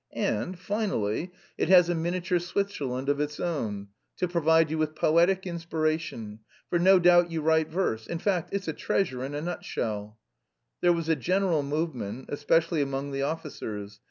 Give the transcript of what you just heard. And, finally, it has a miniature Switzerland of its own to provide you with poetic inspiration, for no doubt you write verse. In fact it's a treasure in a nutshell!" There was a general movement, especially among the officers.